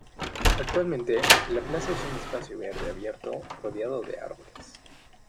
Actualmente, la plaza es un espacio verde abierto rodeado de árboles.